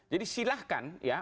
jadi silahkan ya